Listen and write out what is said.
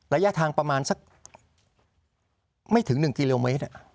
ระยะทางประมาณสักไม่ถึง๑กิโลเมตร